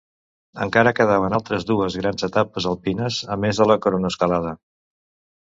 Encara quedaven altres dues grans etapes alpines, a més de la cronoescalada.